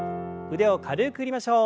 腕を軽く振りましょう。